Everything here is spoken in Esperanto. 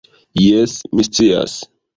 Jes, mi scias